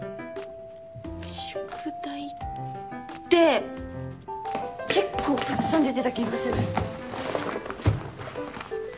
宿題って結構たくさん出てた気がする。